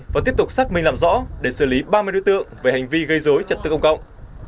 và tiếp tục xác minh làm rõ để xử lý ba mươi đối tượng về hành vi gây dối trật tự công cộng